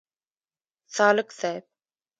سالک صیب.